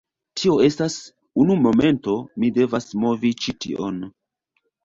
Tio estas… unu momento, mi devas movi ĉi tion.